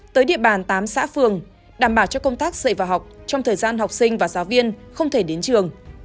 tới địa bàn tám xã phường đảm bảo cho công tác dạy và học trong thời gian học sinh và giáo viên không thể đến trường